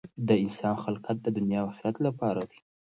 د انسان خلقت د دنیا او آخرت لپاره دی.